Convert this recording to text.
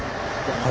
はい。